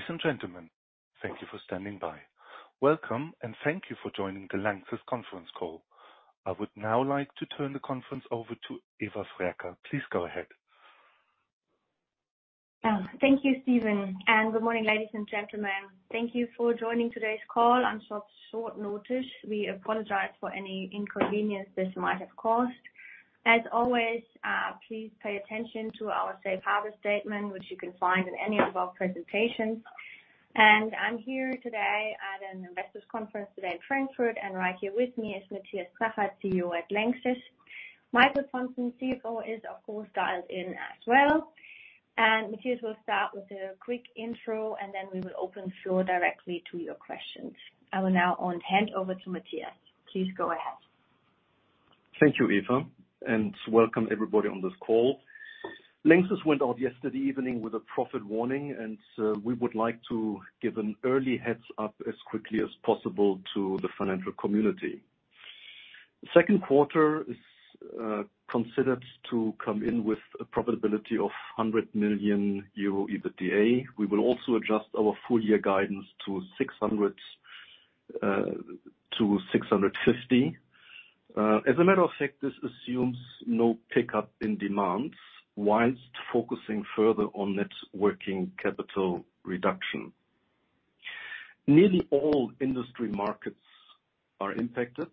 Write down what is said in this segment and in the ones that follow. Ladies and gentlemen, thank you for standing by. Welcome, thank you for joining the LANXESS conference call. I would now like to turn the conference over to Eva Frerker. Please go ahead. Thank you, Steven. Good morning, ladies and gentlemen. Thank you for joining today's call on such short notice. We apologize for any inconvenience this might have caused. As always, please pay attention to our safe harbor statement, which you can find in any of our presentations. I'm here today at an investors' conference today in Frankfurt, and right here with me is Matthias Zachert, CEO at LANXESS. Michael Pontzen, CFO, is, of course, dialed in as well. Matthias will start with a quick intro, and then we will open the floor directly to your questions. I will now hand over to Matthias. Please go ahead. Thank you, Eva. Welcome everybody on this call. LANXESS went out yesterday evening with a profit warning. We would like to give an early heads-up as quickly as possible to the financial community. Second quarter is considered to come in with a profitability of 100 million euro EBITDA. We will also adjust our full year guidance to 600 million-650 million. As a matter of fact, this assumes no pickup in demands whilst focusing further on net working capital reduction. Nearly all industry markets are impacted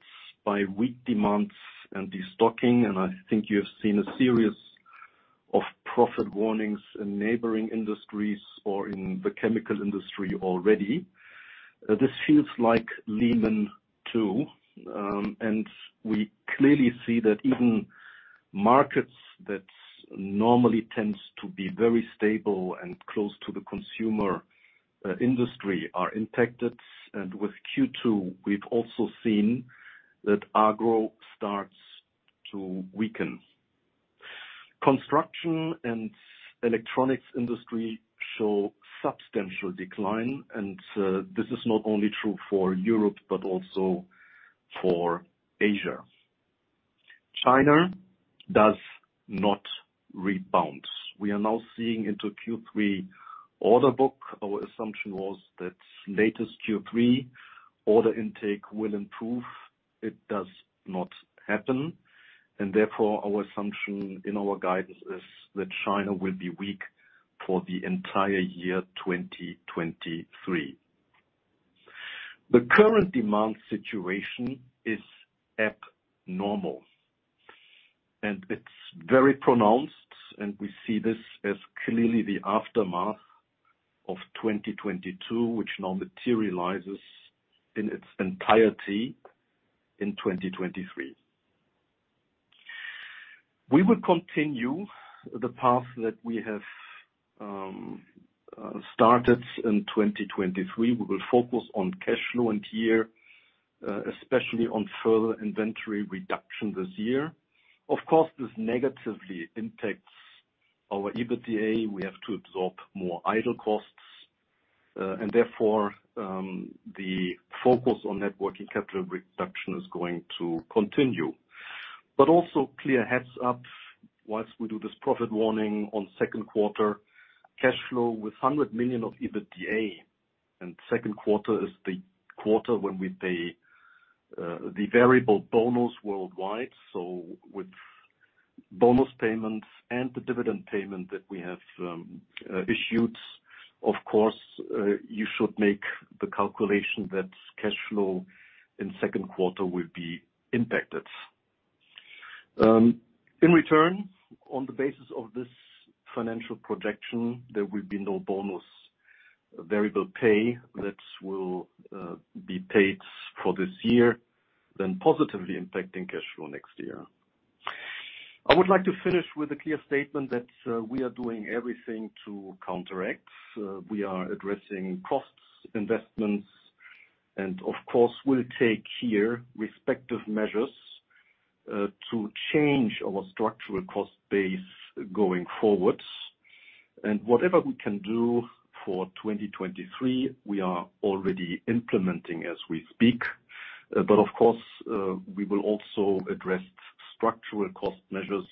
by weak demands and destocking. I think you have seen a series of profit warnings in neighboring industries or in the chemical industry already. This feels like Lehman too. We clearly see that even markets that normally tends to be very stable and close to the consumer industry are impacted. With Q2, we've also seen that agro starts to weaken. Construction and electronics industry show substantial decline, this is not only true for Europe but also for Asia. China does not rebound. We are now seeing into Q3 order book. Our assumption was that latest Q3 order intake will improve. It does not happen, and therefore, our assumption in our guidance is that China will be weak for the entire year, 2023. The current demand situation is abnormal, and it's very pronounced, and we see this as clearly the aftermath of 2022, which now materializes in its entirety in 2023. We will continue the path that we have started in 2023. We will focus on cash flow and year, especially on further inventory reduction this year. Of course, this negatively impacts our EBITDA. We have to absorb more idle costs, and therefore, the focus on net working capital reduction is going to continue. Also clear heads up, whilst we do this profit warning on second quarter, cash flow with 100 million of EBITDA, and second quarter is the quarter when we pay, the variable bonus worldwide. With bonus payments and the dividend payment that we have, issued, of course, you should make the calculation that cash flow in second quarter will be impacted. In return, on the basis of this financial projection, there will be no bonus variable pay that will be paid for this year. Positively impacting cash flow next year. I would like to finish with a clear statement that we are doing everything to counteract. We are addressing costs, investments, and of course, we'll take here respective measures to change our structural cost base going forward. Whatever we can do for 2023, we are already implementing as we speak. Of course, we will also address structural cost measures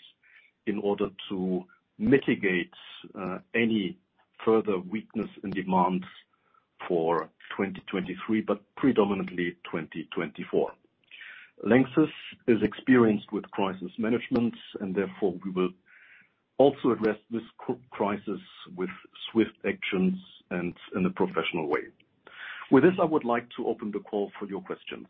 in order to mitigate any further weakness in demand for 2023, but predominantly 2024. LANXESS is experienced with crisis management, and therefore we will also address this crisis with swift actions and in a professional way. With this, I would like to open the call for your questions.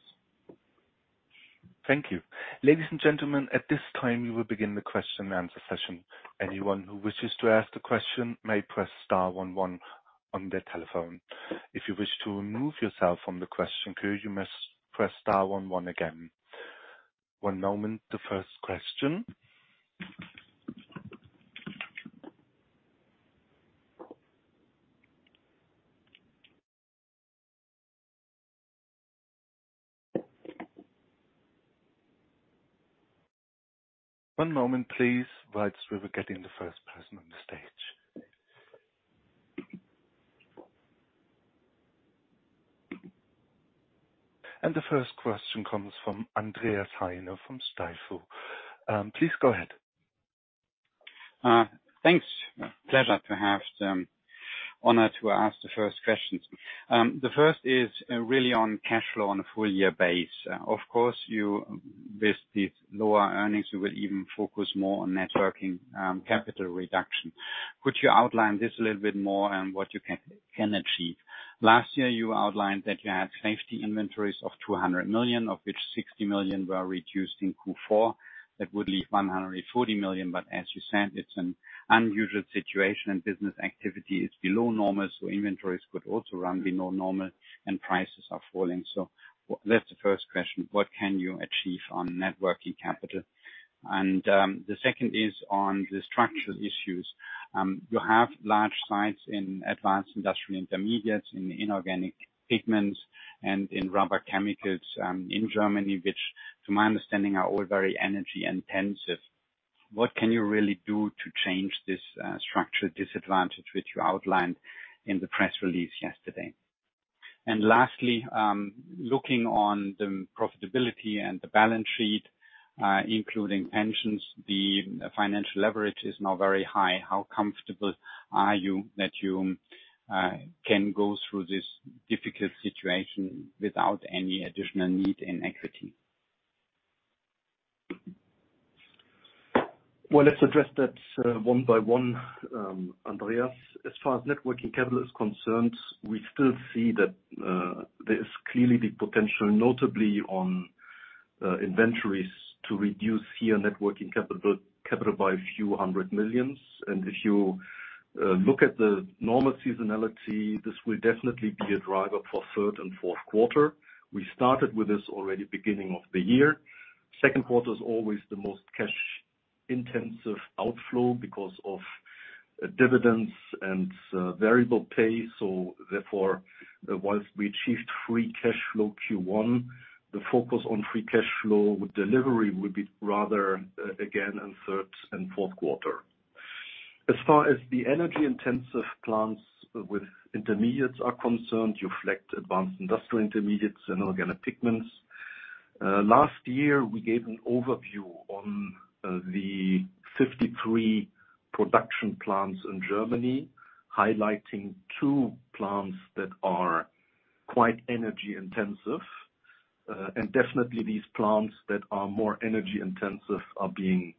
Thank you. Ladies and gentlemen, at this time, we will begin the question-and-answer session. Anyone who wishes to ask the question may press star one one on their telephone. If you wish to remove yourself from the question queue, you must press star one one again. One moment. The first question. One moment, please, whilst we were getting the first person on the stage. The first question comes from Andreas Heine from Stifel. Please go ahead. Thanks. Pleasure to have the honor to ask the first questions. The first is really on cash flow on a full year base. Of course, you, with the lower earnings, you will even focus more on net working capital reduction. Could you outline this a little bit more and what you can achieve? Last year, you outlined that you had safety inventories of 200 million, of which 60 million were reduced in Q4. That would leave 140 million, but as you said, it's an unusual situation, and business activity is below normal, so inventories could also run below normal and prices are falling. That's the first question: What can you achieve on net working capital? The second is on the structural issues. You have large sites in Advanced Industrial Intermediates, in Inorganic Pigments, and in rubber chemicals in Germany, which, to my understanding, are all very energy intensive. What can you really do to change this structural disadvantage, which you outlined in the press release yesterday? Lastly, looking on the profitability and the balance sheet, including pensions, the financial leverage is now very high. How comfortable are you that you can go through this difficult situation without any additional need in equity? Let's address that one by one, Andreas. As far as net working capital is concerned, we still see that there is clearly the potential, notably on inventories, to reduce here net working capital by a few hundred million EUR. If you look at the normal seasonality, this will definitely be a driver for third and fourth quarter. We started with this already beginning of the year. Second quarter is always the most cash-intensive outflow because of dividends and variable pay. Therefore, whilst we achieved free cash flow Q1, the focus on free cash flow with delivery would be rather again, in third and fourth quarter. As far as the energy-intensive plants with intermediates are concerned, you reflect Advanced Industrial Intermediates and organic pigments. Last year, we gave an overview on the 53 production plants in Germany, highlighting 2 plants that are quite energy intensive. Definitely these plants that are more energy intensive are being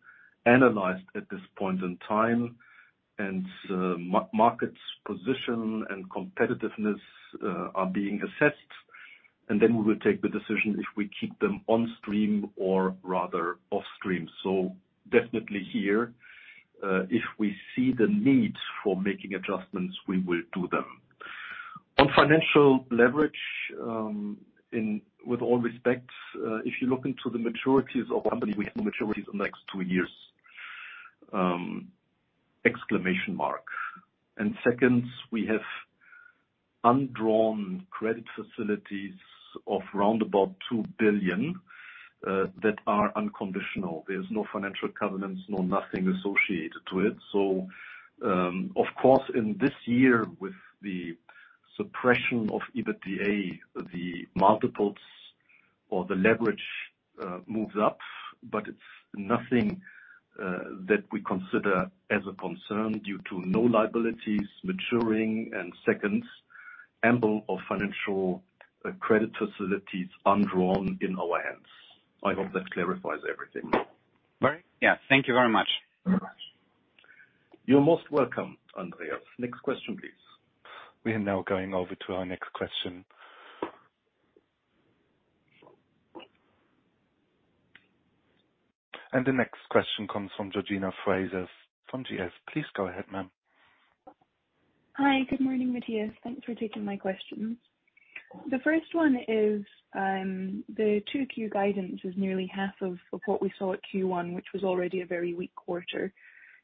analyzed at this point in time, and markets position and competitiveness are being assessed. Then we will take the decision if we keep them on stream or rather off stream. Definitely here, if we see the need for making adjustments, we will do them. On financial leverage, in with all respect, if you look into the maturities of the company, we have no maturities in the next 2 years. Exclamation mark. Second, we have undrawn credit facilities of around 2 billion that are unconditional. There's no financial covenants, no nothing associated to it. Of course, in this year, with the suppression of EBITDA, the multiples or the leverage moves up, but it's nothing that we consider as a concern due to no liabilities maturing, and second, ample of financial credit facilities undrawn in our hands. I hope that clarifies everything. Very. Yeah. Thank you very much. You're most welcome, Andreas. Next question, please. We are now going over to our next question. The next question comes from Georgina Fraser from GS. Please go ahead, ma'am. Hi, good morning, Matthias. Thanks for taking my questions. The first one is, the 2Q guidance is nearly half of what we saw at Q1, which was already a very weak quarter.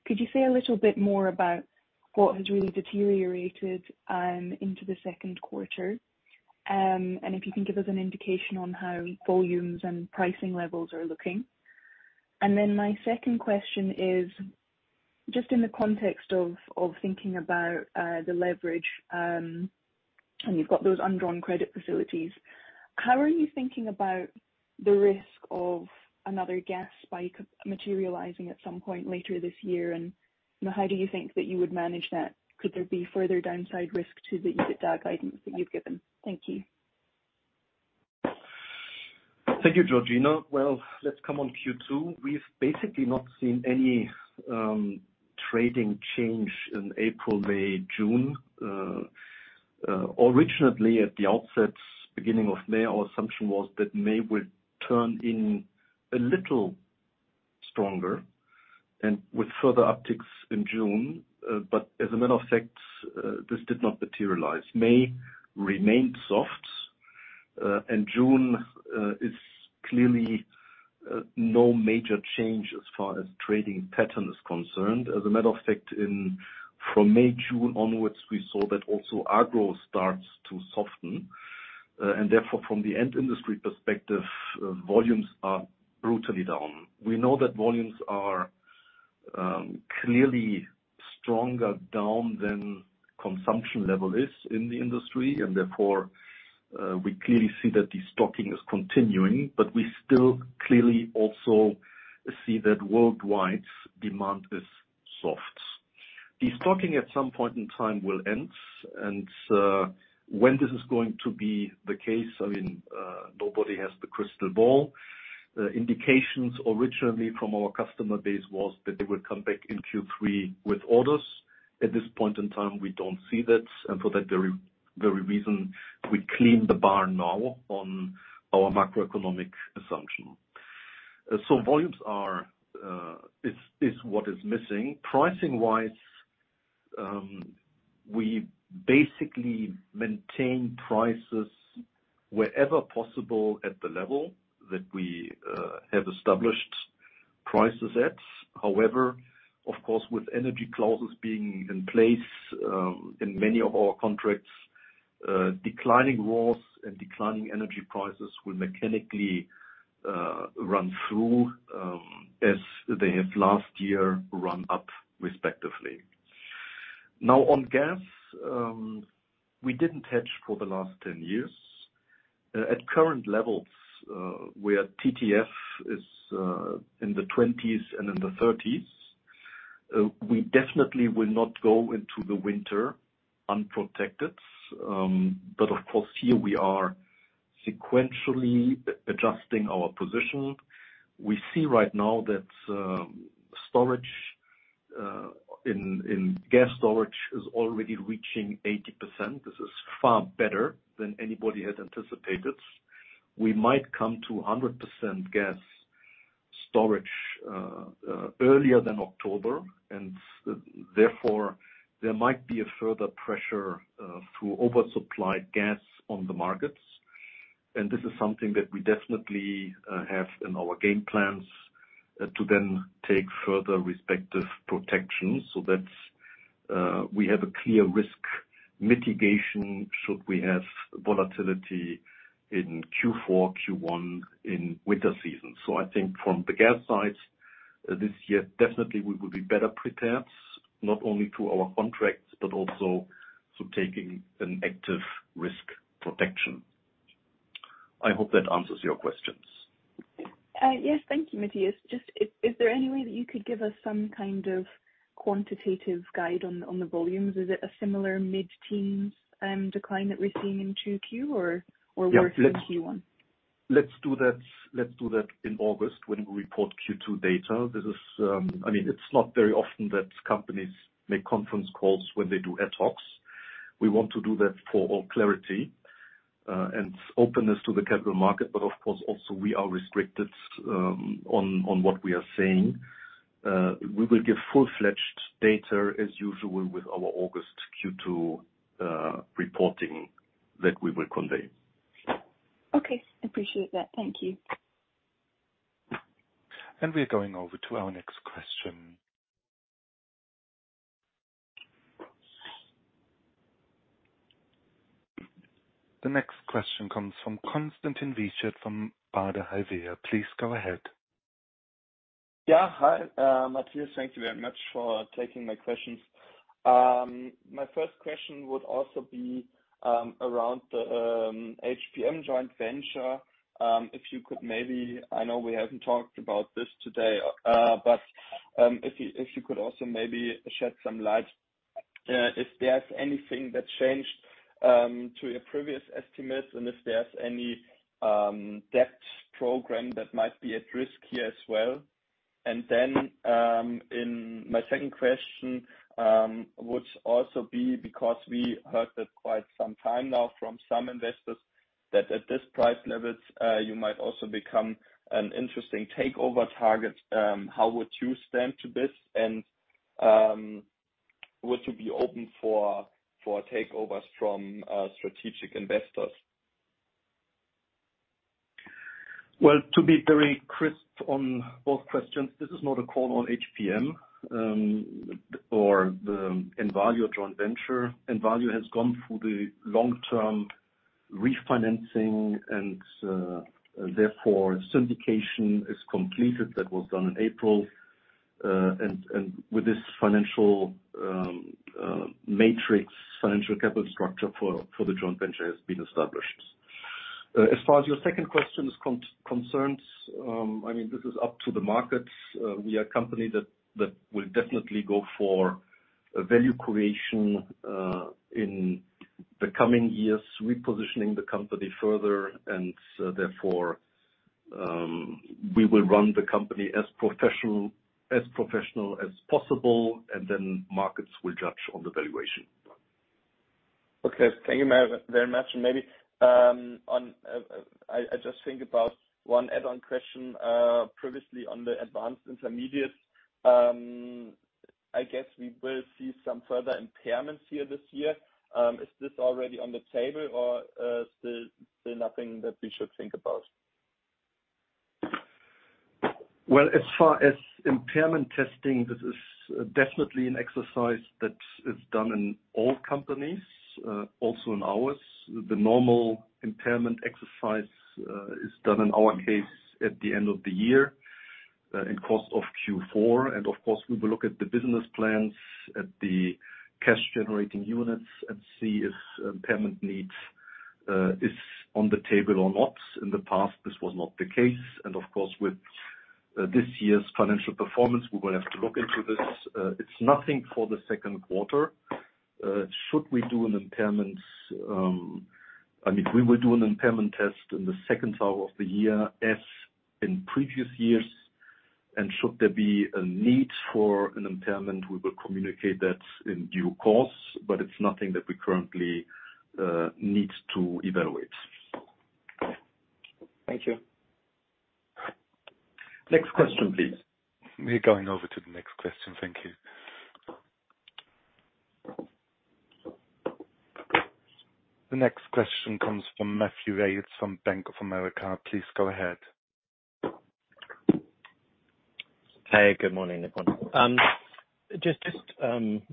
Could you say a little bit more about what has really deteriorated into the second quarter? If you can give us an indication on how volumes and pricing levels are looking. Then my second question is, just in the context of thinking about the leverage, and you've got those undrawn credit facilities, how are you thinking about the risk of another gas spike materializing at some point later this year, and, you know, how do you think that you would manage that? Could there be further downside risk to the EBITDA guidance that you've given? Thank you. Thank you, Georgina. Well, let's come on Q2. We've basically not seen any trading change in April, May, June. Originally, at the outset, beginning of May, our assumption was that May would turn in a little stronger and with further upticks in June. As a matter of fact, this did not materialize. May remained soft, June is clearly no major change as far as trading pattern is concerned. As a matter of fact, in from May, June onwards, we saw that also agro starts to soften, therefore, from the end industry perspective, volumes are brutally down. We know that volumes are clearly stronger down than consumption level is in the industry, therefore, we clearly see that the stocking is continuing. We still clearly also see that worldwide demand is soft. Destocking at some point in time will end. When this is going to be the case, nobody has the crystal ball. The indications originally from our customer base was that they would come back in Q3 with orders. At this point in time, we don't see that. For that very, very reason, we clean the bar now on our macroeconomic assumption. Volumes are, is what is missing. Pricing-wise, we basically maintain prices wherever possible at the level that we have established prices at. However, of course, with energy clauses being in place, in many of our contracts, declining raw and declining energy prices will mechanically run through, as they have last year run up respectively. On gas, we didn't hedge for the last 10 years. At current levels, where TTF is in the 20s and in the 30s, we definitely will not go into the winter unprotected. Of course, here we are sequentially adjusting our position. We see right now that storage in gas storage is already reaching 80%. This is far better than anybody had anticipated. We might come to 100% gas storage earlier than October, and therefore, there might be a further pressure to oversupply gas on the markets. This is something that we definitely have in our game plans to then take further respective protections, so that we have a clear risk mitigation should we have volatility in Q4, Q1, in winter season. I think from the gas side, this year, definitely we will be better prepared, not only through our contracts, but also through taking an active risk protection. I hope that answers your questions. Yes, thank you, Matthias. Is there any way that you could give us some kind of quantitative guide on the volumes? Is it a similar mid-teens decline that we're seeing in 2Q or worse in Q1? Let's do that, let's do that in August when we report Q2 data. This is, I mean, it's not very often that companies make conference calls when they do ad hocs. We want to do that for all clarity and openness to the capital market. Of course, also we are restricted on what we are saying. We will give full-fledged data as usual with our August Q2 reporting that we will convey. Okay, appreciate that. Thank you. We're going over to our next question. The next question comes from Konstantin Wiechert from Baader Helvea. Please go ahead. Yeah. Hi, Matthias, thank you very much for taking my questions. My first question would also be around the HPM joint venture. If you could maybe I know we haven't talked about this today, but if you could also maybe shed some light if there's anything that changed to your previous estimates and if there's any debt program that might be at risk here as well. In my second question would also be because we heard that quite some time now from some investors, that at this price levels you might also become an interesting takeover target. How would you stand to this, and would you be open for takeovers from strategic investors? To be very crisp on both questions, this is not a call on HPM or the Envalior joint venture. Envalior has gone through the long-term refinancing, therefore, syndication is completed. That was done in April. With this financial matrix, financial capital structure for the joint venture has been established. As far as your second question concerns, I mean, this is up to the markets. We are a company that will definitely go for value creation in the coming years, repositioning the company further, therefore, we will run the company as professional as possible, and then markets will judge on the valuation. Okay. Thank you, Matthias, very much. Maybe, on, I just think about one add-on question, previously on the Advanced Intermediates. I guess we will see some further impairments here this year. Is this already on the table, or, still nothing that we should think about? Well, as far as impairment testing, definitely an exercise that is done in all companies, also in ours. The normal impairment exercise is done in our case at the end of the year, in cost of Q4. Of course, we will look at the business plans, at the cash-generating units and see if impairment needs is on the table or not. In the past, this was not the case. Of course, with this year's financial performance, we will have to look into this. It's nothing for the second quarter. Should we do an impairments, I mean, we will do an impairment test in the second half of the year, as in previous years. Should there be a need for an impairment, we will communicate that in due course, but it's nothing that we currently need to evaluate. Thank you. Next question, please. We're going over to the next question. Thank you. The next question comes from Matthew Yates from Bank of America. Please go ahead. Hey, good morning, everyone. Just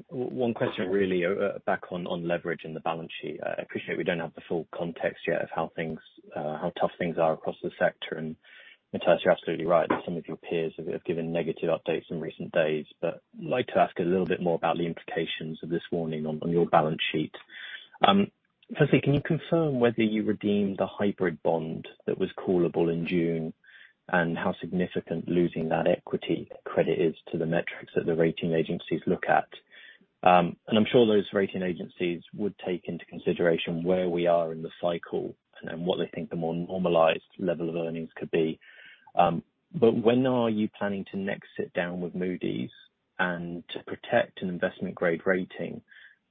one question, really, back on leverage and the balance sheet. I appreciate we don't have the full context yet of how tough things are across the sector. Matthias, you're absolutely right that some of your peers have given negative updates in recent days. I'd like to ask a little bit more about the implications of this warning on your balance sheet. Firstly, can you confirm whether you redeemed the hybrid bond that was callable in June, and how significant losing that equity credit is to the metrics that the rating agencies look at? I'm sure those rating agencies would take into consideration where we are in the cycle and what they think the more normalized level of earnings could be. When are you planning to next sit down with Moody's? To protect an investment-grade rating,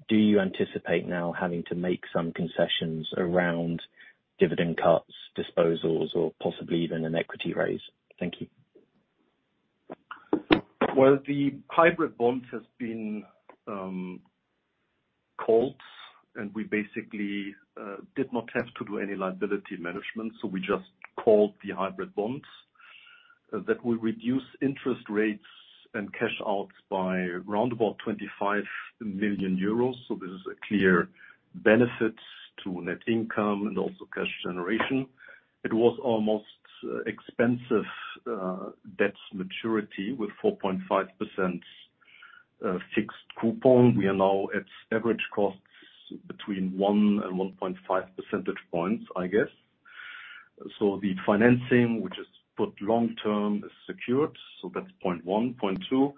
do you anticipate now having to make some concessions around dividend cuts, disposals, or possibly even an equity raise? Thank you. Well, the hybrid bond has been called, and we basically did not have to do any liability management, so we just called the hybrid bonds. That will reduce interest rates and cash outs by around about 25 million euros. This is a clear benefit to net income and also cash generation. It was our most expensive debt maturity with 4.5% fixed coupon. We are now at average costs between 1 and 1.5 percentage points, I guess. The financing, which is put long term, is secured. That's point 1. Point 2,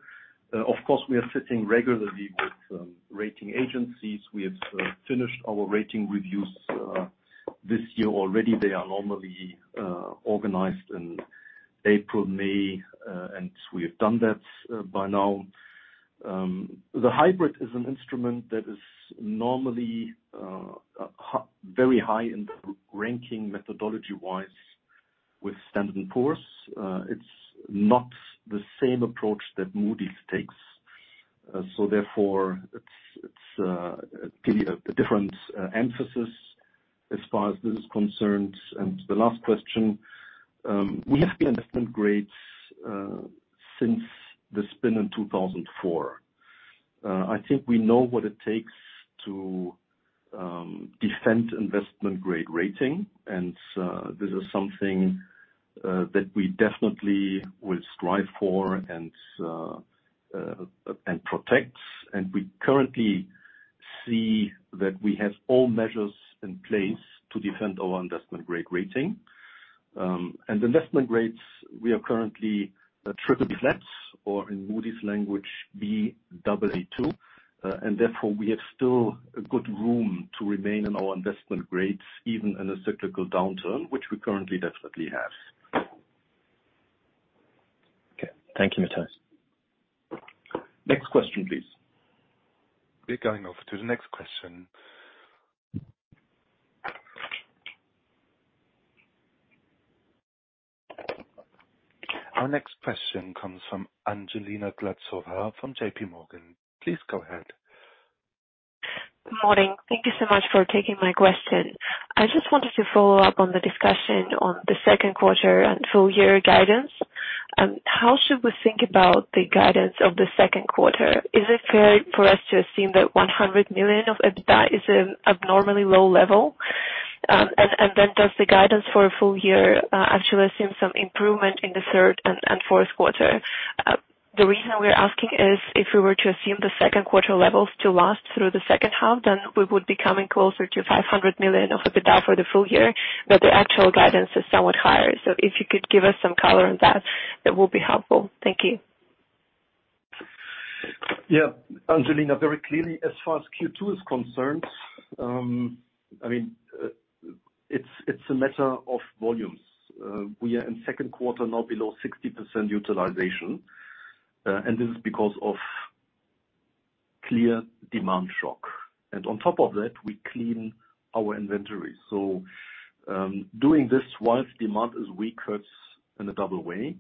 of course, we are sitting regularly with rating agencies. We have finished our rating reviews this year already. They are normally organized in April, May, and we have done that by now. The hybrid is an instrument that is normally very high in the ranking, methodology-wise, with Standard & Poor's. It's not the same approach that Moody's takes. Therefore, it's clearly a different emphasis as far as this is concerned. The last question, we have been investment grades since the spin in 2004. I think we know what it takes to defend investment grade rating, and this is something that we definitely will strive for and protect. We currently see that we have all measures in place to defend our investment grade rating. Investment grades, we are currently triple B flat, or in Moody's language, Baa2. Therefore, we have still a good room to remain in our investment grades, even in a cyclical downturn, which we currently definitely have. Okay. Thank you, Matthias. Next question, please. We're going over to the next question. Our next question comes from Angelina Glazova from JPMorgan. Please go ahead. Good morning. Thank you so much for taking my question. I just wanted to follow up on the discussion on the second quarter and full year guidance. How should we think about the guidance of the second quarter? Is it fair for us to assume that 100 million of EBITDA is an abnormally low level? Does the guidance for a full year actually seem some improvement in the third and fourth quarter? The reason we're asking is, if we were to assume the second quarter levels to last through the second half, then we would be coming closer to 500 million of EBITDA for the full year, but the actual guidance is somewhat higher. If you could give us some color on that would be helpful. Thank you. Yeah, Angelina, very clearly, as far as Q2 is concerned, I mean, it's a matter of volumes. We are in second quarter, now below 60% utilization, and this is because of clear demand shock. On top of that, we clean our inventory. Doing this whilst demand is weak, hurts in a double way.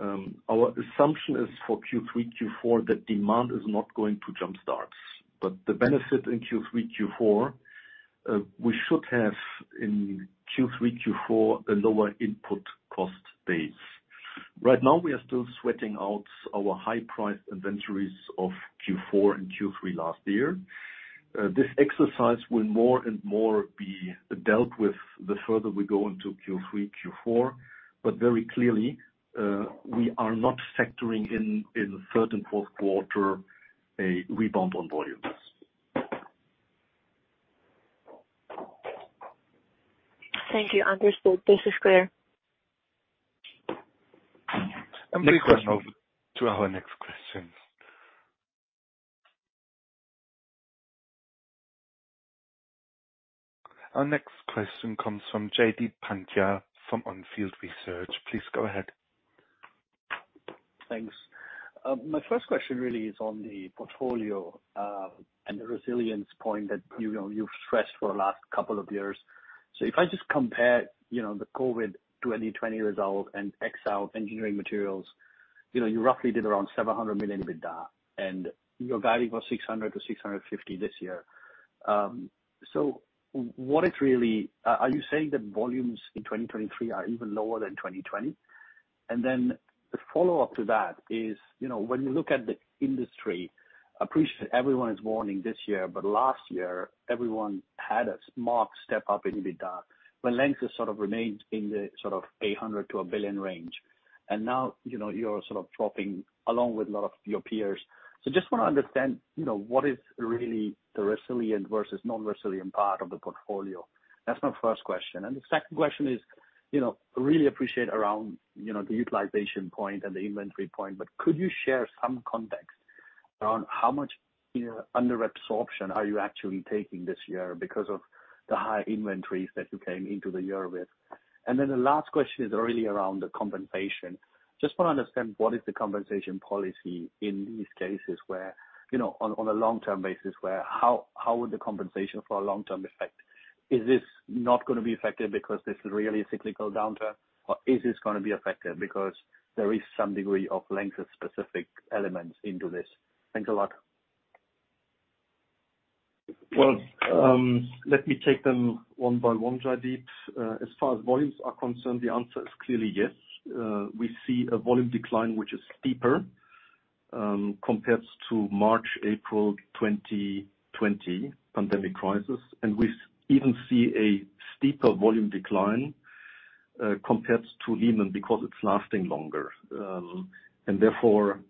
Our assumption is for Q3, Q4, that demand is not going to jumpstart. The benefit in Q3, Q4, we should have in Q3, Q4, a lower input cost base. Right now, we are still sweating out our high price inventories of Q4 and Q3 last year. This exercise will more and more be dealt with the further we go into Q3, Q4, but very clearly, we are not factoring in the third and fourth quarter, a rebound on volumes. Thank you. Understood. This is clear. Next question. Our next question comes from Jaideep Pandya from On Field Research. Please go ahead. Thanks. My first question really is on the portfolio, and the resilience point that, you know, you've stressed for the last couple of years. If I just compare, you know, the COVID 2020 result and Envalior Engineering Materials, you know, you roughly did around 700 million EBITDA, and your guiding was 600 million-650 million this year. What is really? Are you saying that volumes in 2023 are even lower than 2020? Then the follow-up to that is, you know, when you look at the industry, I appreciate everyone is warning this year, but last year everyone had a marked step up in EBITDA, when LANXESS have sort of remained in the sort of 800 million-1 billion range. Now, you know, you're sort of dropping along with a lot of your peers. Just want to understand, you know, what is really the resilient versus non-resilient part of the portfolio? That's my first question. The second question is, you know, really appreciate around, you know, the utilization point and the inventory point, but could you share some context on how much, you know, under absorption are you actually taking this year because of the high inventories that you came into the year with? The last question is really around the compensation. Just want to understand, what is the compensation policy in these cases where, you know, on a long-term basis, how would the compensation for a long-term effect? Is this not going to be affected because this is really a cyclical downturn, or is this going to be affected because there is some degree of length of specific elements into this? Thanks a lot. Well, let me take them one by one, Jaideep. As far as volumes are concerned, the answer is clearly yes. We see a volume decline, which is steeper, compared to March, April 2020 pandemic crisis, and we even see a steeper volume decline, compared to Lehman because it's lasting longer. Therefore,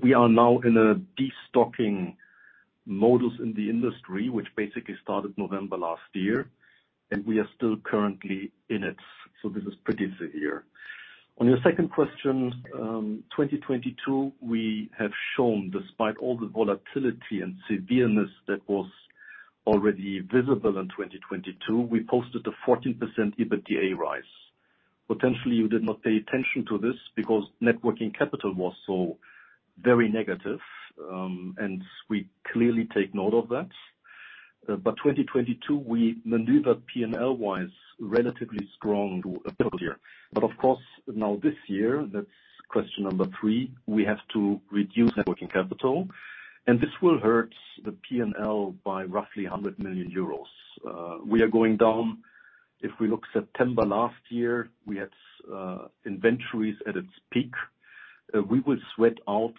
we are now in a destocking modus in the industry, which basically started November last year, and we are still currently in it, so this is pretty severe. On your second question, 2022, we have shown, despite all the volatility and severeness that was already visible in 2022, we posted a 14% EBITDA rise. Potentially, you did not pay attention to this because net working capital was so very negative, and we clearly take note of that. 2022, we maneuvered P&L wise, relatively strong to a full year. Of course, now this year, that's question number 3, we have to reduce net working capital, and this will hurt the P&L by roughly 100 million euros. We are going down. If we look September last year, we had inventories at its peak. We will sweat out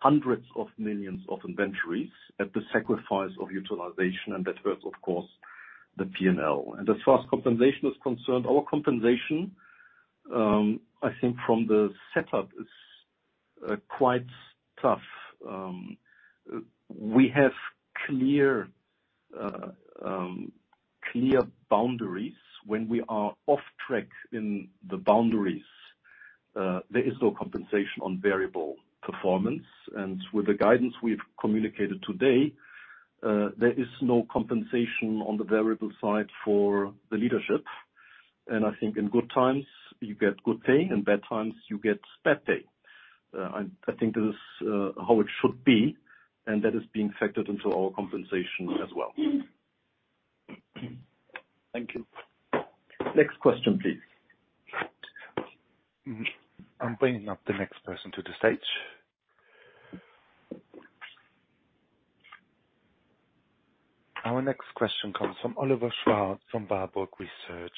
hundreds of millions of inventories at the sacrifice of utilization, and that hurts, of course, the P&L. As far as compensation is concerned, our compensation, I think from the setup is quite tough. We have clear boundaries. When we are off track in the boundaries, there is no compensation on variable performance, with the guidance we've communicated today, there is no compensation on the variable side for the leadership. I think in good times, you get good pay, in bad times, you get bad pay. I think this is how it should be, and that is being factored into our compensation as well. Thank you. Next question, please. I'm bringing up the next person to the stage. Our next question comes from Oliver Schwarz, from Warburg Research.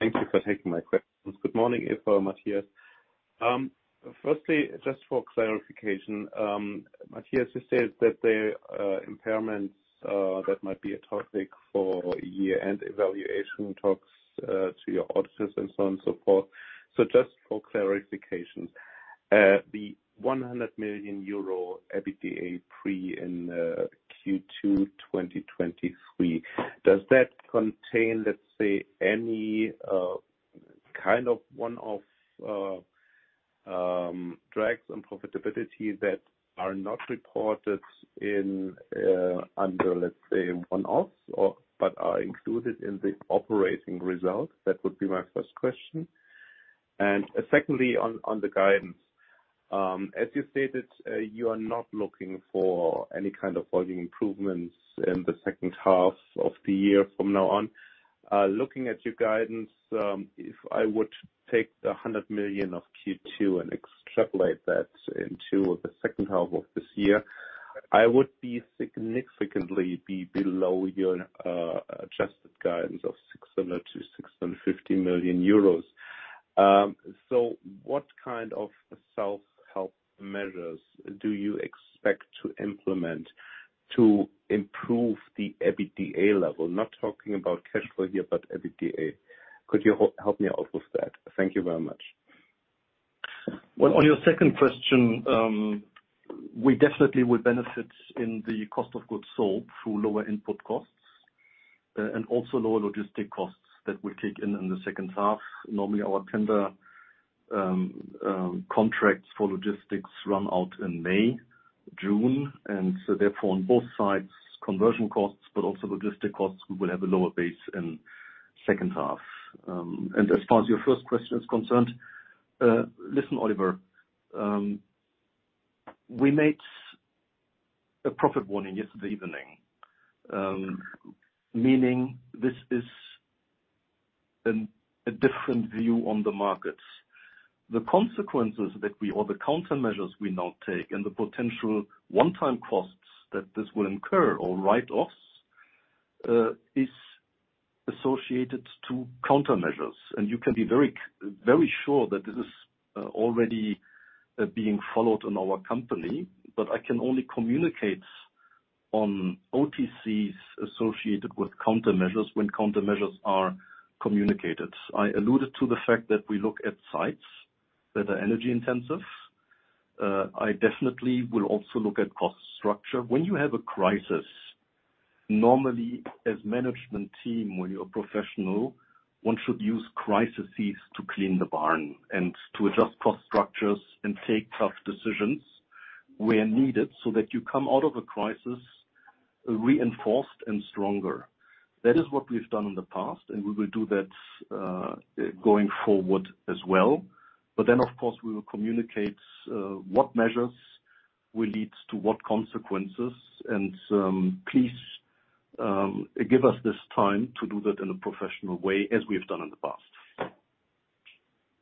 Thank you for taking my questions. Good morning, Eva and Matthias. Firstly, just for clarification, Matthias, you said that the impairments that might be a topic for year-end evaluation talks to your auditors and so on, so forth. Just for clarification, the 100 million euro EBITDA pre in Q2 2023, does that contain, let's say, any kind of one-off drags on profitability that are not reported in under, let's say, one-offs or, but are included in the operating results? That would be my first question. Secondly, on the guidance, as you stated, you are not looking for any kind of volume improvements in the second half of the year from now on. Looking at your guidance, if I would take the 100 million of Q2 and extrapolate that into the second half of this year, I would be significantly below your adjusted guidance of 600 million-650 million euros. What kind of self-help measures do you expect to implement to improve the EBITDA level? Not talking about cash flow here, but EBITDA. Could you help me out with that? Thank you very much. On your second question, we definitely will benefit in the cost of goods sold through lower input costs and also lower logistic costs that will kick in in the second half. Normally, our tender contracts for logistics run out in May, June. Therefore, on both sides, conversion costs, but also logistic costs, we will have a lower base in second half. As far as your first question is concerned, listen, Oliver, we made a profit warning yesterday evening. Meaning this is a different view on the markets. The consequences that we or the countermeasures we now take, and the potential one-time costs that this will incur or write-offs, is associated to countermeasures. You can be very, very sure that this is already being followed in our company, but I can only communicate on OTCs associated with countermeasures when countermeasures are communicated. I alluded to the fact that we look at sites that are energy-intensive. I definitely will also look at cost structure. When you have a crisis, normally, as management team, when you're professional, one should use crises to clean the barn and to adjust cost structures and take tough decisions where needed, so that you come out of a crisis reinforced and stronger. That is what we've done in the past, and we will do that going forward as well. Of course, we will communicate what measures will lead to what consequences. Please give us this time to do that in a professional way, as we've done in the past.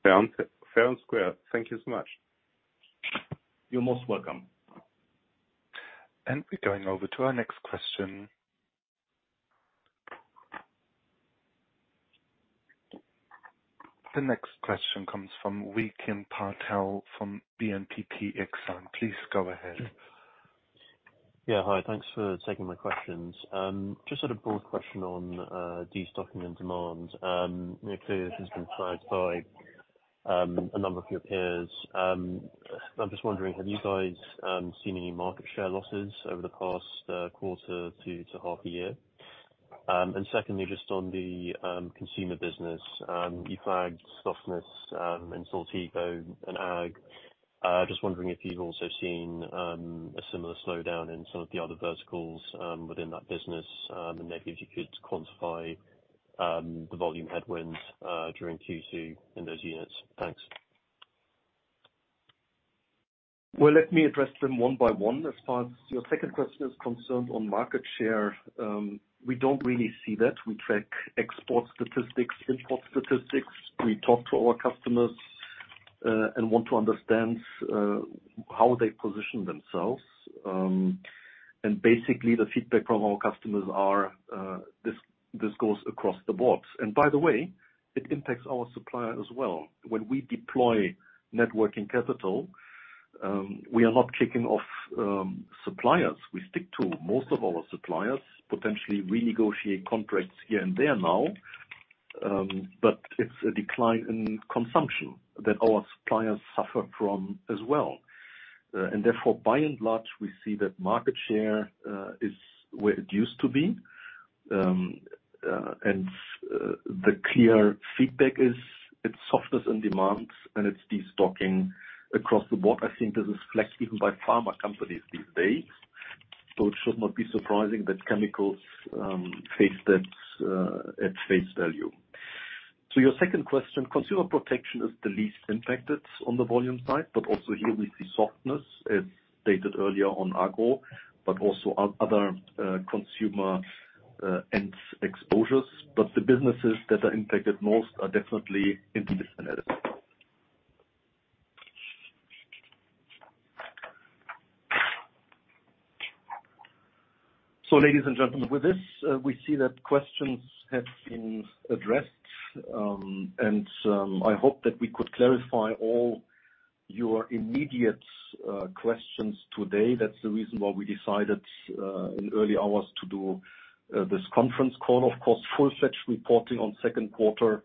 Fair and square. Thank you so much. You're most welcome. We're going over to our next question. The next question comes from Rikin Patel from BNPP Exane. Please go ahead. Yeah, hi. Thanks for taking my questions. Just had a broad question on destocking and demand. Clearly, this has been tried by a number of your peers. I'm just wondering, have you guys seen any market share losses over the past quarter to half a year? Secondly, just on the consumer business, you flagged softness in Saltigo and Ag. Just wondering if you've also seen a similar slowdown in some of the other verticals within that business, and maybe if you could quantify the volume headwinds during Q2 in those units. Thanks. Well, let me address them one by one. As far as your second question is concerned on market share, we don't really see that. We track export statistics, import statistics. We talk to our customers, and want to understand how they position themselves. Basically, the feedback from our customers are, this goes across the board. By the way, it impacts our supplier as well. When we deploy net working capital, we are not kicking off suppliers. We stick to most of our suppliers, potentially renegotiate contracts here and there now. It's a decline in consumption that our suppliers suffer from as well. Therefore, by and large, we see that market share is where it used to be. The clear feedback is, it's softness and demands, and it's destocking across the board. I think this is reflected by pharma companies these days, so it should not be surprising that chemicals face that at face value. To your second question, Consumer Protection is the least impacted on the volume side, but also here we see softness, as stated earlier on Agro, but also other consumer and exposures. The businesses that are impacted most are definitely intermediaries. Ladies and gentlemen, with this, we see that questions have been addressed. I hope that we could clarify all your immediate questions today. That's the reason why we decided in early hours to do this conference call. Of course, full fetch reporting on second quarter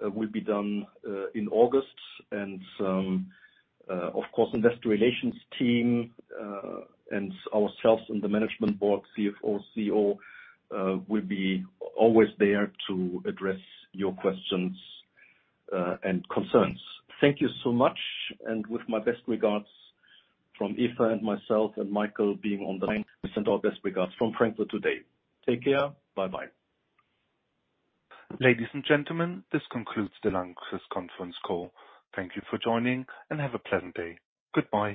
will be done in August. Of course, investor relations team, and ourselves and the management board, CFO, CEO will be always there to address your questions and concerns. Thank you so much. With my best regards from Eva and myself and Michael being on the line, we send our best regards from Frankfurt today. Take care. Bye-bye. Ladies and gentlemen, this concludes the LANXESS conference call. Thank you for joining, and have a pleasant day. Goodbye.